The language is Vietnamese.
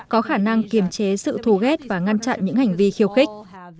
có khả năng kiềm chế sự thù ghét và ngăn chặn những hành vi khiêu khích